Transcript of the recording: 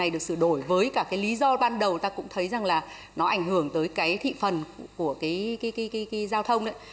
được sửa đổi với cả cái lý do ban đầu ta cũng thấy rằng là nó ảnh hưởng tới cái thị phần của cái giao thông đấy